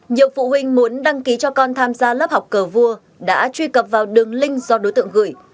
nhiều phụ huynh muốn đăng ký cho con tham gia lớp học cờ vua đã truy cập vào đường link do đối tượng gửi